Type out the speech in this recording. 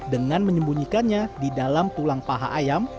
dengan menyembunyikannya di dalam tulang paha ayam